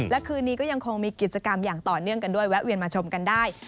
และคืนนี้ก็ยังคงมีกิจกรรมอย่างต่อเนื่องกันด้วยแวะเวียนมาชมกันได้